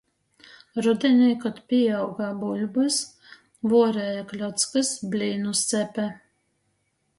Rudinī, kod pīauga buļbys, vuoreja kļockys, blīnus cepe.